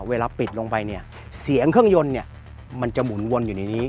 เวลาปิดลงไปเสียงเครื่องยนต์มันจะหมุนวนอยู่ในนี้